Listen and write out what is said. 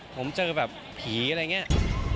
ผมเจอแบบผีอะไรอย่างนี้